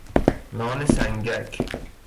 نان سنگک